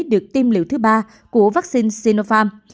và tiêm liều thứ ba của vaccine sinopharm